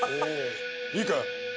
いいか？